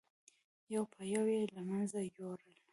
یو په یو یې له منځه یووړل.